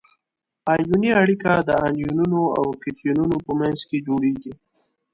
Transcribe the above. ایوني اړیکه د انیونونو او کتیونونو په منځ کې جوړیږي.